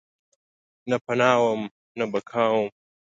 نه پناه وم ، نه بقاوم